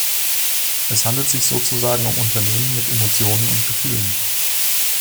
Es handelt sich sozusagen um Unternehmen mit Emotionen und Gefühlen.